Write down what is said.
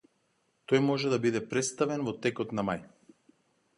Тој може да биде претставен во текот на мај